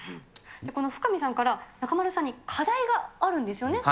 このフカミさんから、中丸さんに課題があるんですよね。